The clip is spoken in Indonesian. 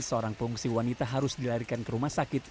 seorang pengungsi wanita harus dilarikan ke rumah sakit